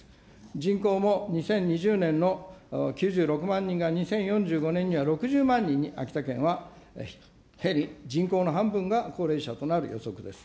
人口も２０２０年の９６万人が、２０４５年には６０万人に秋田県は減り、人口の半分が高齢者となる予測です。